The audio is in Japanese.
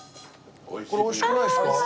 これおいしくないですか？